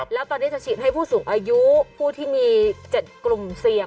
แล้วตอนนี้จะฉีดให้ผู้สูงอายุผู้ที่มี๗กลุ่มเสี่ยง